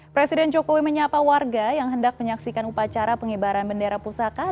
presiden jokowi menyapa warga yang hendak menyaksikan upacara pengibaran bendera pusaka